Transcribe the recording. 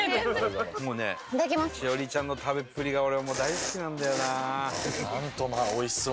もうね栞里ちゃんの食べっぷりが俺はもう大好きなんだよな。